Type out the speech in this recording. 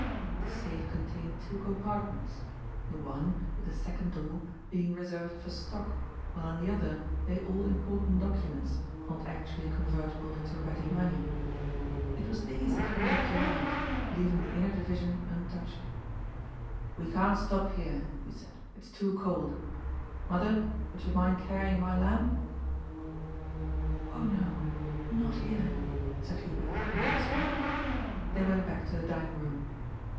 The safe contained two compartments, the one, with a second door, being reserved for stock, while in the other lay all important documents, not actually convertible into 112 GOD'S POOL. ready money. It was these that Hendrik drew out, leav ing the inner division untouched. We can't stop here," he said, " it's too cold. Mother, would you mind carrying my lamp ?"^' Oh no, not here," said Hubert, in a whisper. They went back to the dining room.